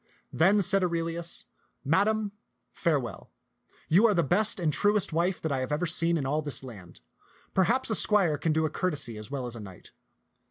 Then said Aurelius, " Madam, farewell. You are the best and truest wife that I have ever seen in all this land. Perchance a squire can do a courtesy as well as a knight.